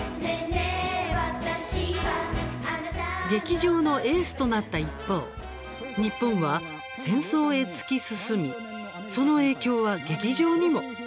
劇場のエースとなった一方日本は戦争へ突き進みその影響は劇場にも。